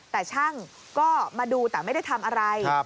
แต่ช่างก็มาดูแต่ไม่ได้ทำอะไร